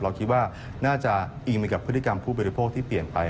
เราคิดว่าน่าจะอิงไปกับพฤติกรรมผู้บริโภคที่เปลี่ยนไป